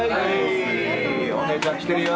お姉ちゃん来てるよ。